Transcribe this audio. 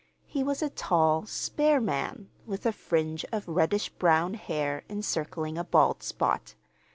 He was a tall, spare man, with a fringe of reddish brown hair encircling a bald spot.